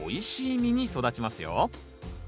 実に育ちますよ。